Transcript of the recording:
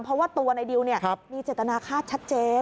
เพราะว่าตัวในดิวมีเจตนาฆาตชัดเจน